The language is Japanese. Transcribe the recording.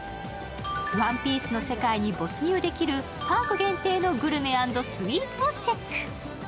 「ＯＮＥＰＩＥＣＥ」の世界に没入できる、パーク限定のグルメ＆スイーツをチェック。